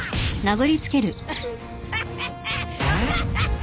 アハハハ！